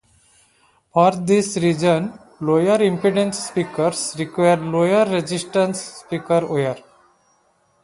For this reason, lower impedance speakers require lower resistance speaker wire.